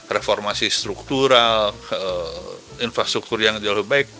reformasi struktural infrastruktur yang jauh lebih baik